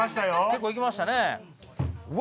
結構いきましたね。